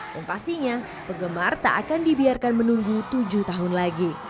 dan pastinya penggemar tak akan dibiarkan menunggu tujuh tahun lagi